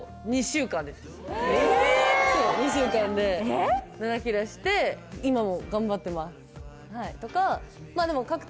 そう２週間で７キロ痩せて今も頑張ってます